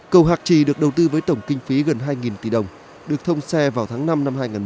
cầu hạc trì được đầu tư với tổng kinh phí gần hai tỷ đồng được thông xe vào tháng năm năm hai nghìn một mươi